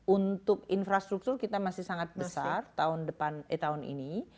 untuk infrastruktur kita masih sangat besar tahun ini